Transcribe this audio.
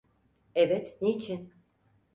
Evet, niçin?